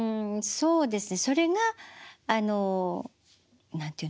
そうですね。